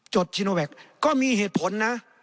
จดจิโนแหวกก็มีเหตุผลนะ